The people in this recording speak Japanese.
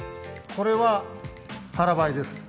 これは腹ばいです。